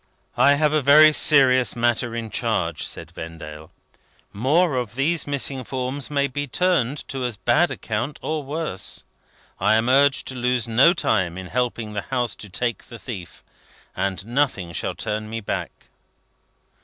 "I have a very serious matter in charge," said Vendale; "more of these missing forms may be turned to as bad account, or worse: I am urged to lose no time in helping the House to take the thief; and nothing shall turn me back."